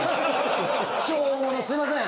超大物にすみません。